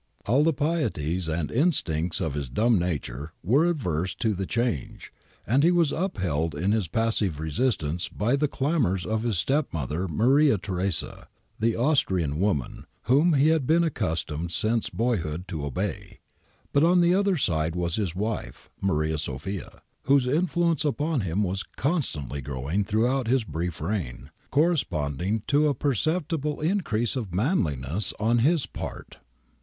All the pieties and instincts of his dumb nature were averse to the change, and he was upheld in his passive resistance by the clamours of his stepmother Maria Theresa, 'the Aus trian woman,' whom he had been accustomed since boy hood to obey. But on the other side was his wife, Maria Sophia, whose influence upon him was constantl}' grow ing throughout his brief reign, corresponding to a per ceptible increase of manliness on his part.